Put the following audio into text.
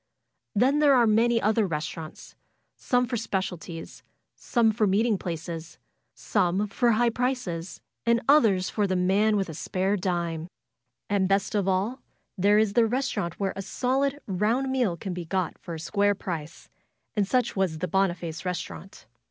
Then there are many other restaurants; some for specialties ; some for meeting places ; some for high prices, and others for the man with the spare dime. And best of all there is the restaurant where a solid, round meal can be got for a square price, and such was the Boniface Eestaurant.